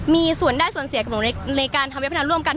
มีส่วนได้ส่วนเสียกับหนูในการทำเว็บพนันร่วมกัน